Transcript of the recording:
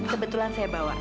kebetulan saya bawa